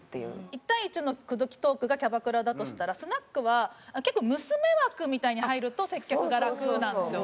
１対１の口説きトークがキャバクラだとしたらスナックは娘枠みたいに入ると接客が楽なんですよ。